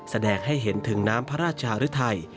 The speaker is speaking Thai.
แสดงให้เห็นถึงน้ำพระราชหรือไทย